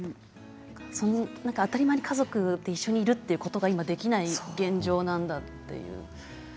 当たり前に家族で一緒にいるというのが今、できない現状なんだという。